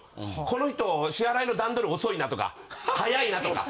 この人支払いの段取り遅いなとか早いなとか。